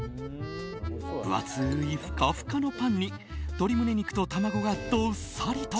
分厚いふかふかのパンに鶏むね肉と玉子がどっさりと。